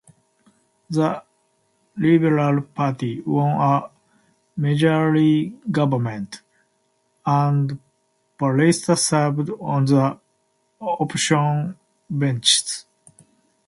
The Liberal Party won a majority government, and Pallister served on the opposition benches.